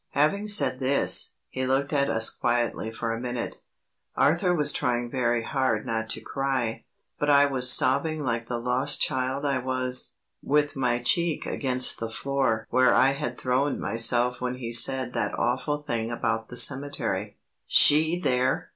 Having said this, he looked at us quietly for a minute. Arthur was trying very hard not to cry, but I was sobbing like the lost child I was, with my cheek against the floor where I had thrown myself when he said that awful thing about the cemetery. She there!